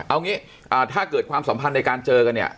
เอางี้ถ้าเกิดความสัมพันธ์ในการเจอกันเนี่ย